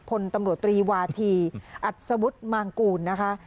พลตำรวจตรีวาธีอัศวุฒิมางกูลนะคะ